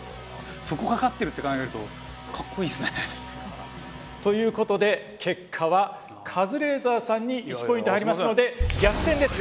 そこかかってるって考えるとかっこいいっすね。ということで結果はカズレーザーさんに１ポイント入りますので逆転です！